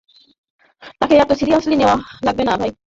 তাকে এতো সিরিয়াসলি নেওয়া লাগবে না, ভাই।